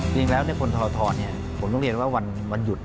จริงแล้วคนทรทผมต้องเรียนว่าวันหยุด